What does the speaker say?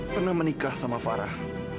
pernah menikah sama farah